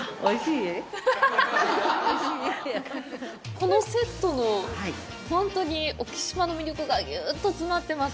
このセットの本当に沖島の魅力がぎゅーっと詰まってます。